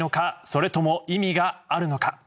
それとも意味があるのか。